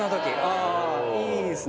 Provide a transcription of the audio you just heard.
ああいいですね